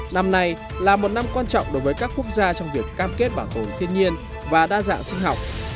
năm nay là một năm quan trọng đối với các quốc gia trong việc cam kết bảo tồn thiên nhiên và đa dạng sinh học